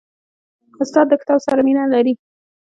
استاد د کتاب سره مینه لري.